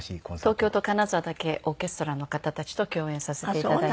東京と金沢だけオーケストラの方たちと共演させていただいて。